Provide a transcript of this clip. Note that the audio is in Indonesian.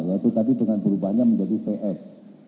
yaitu tadi dengan perubahannya menjadi vs